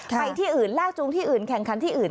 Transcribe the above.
ไปที่อื่นลากจูงที่อื่นแข่งขันที่อื่น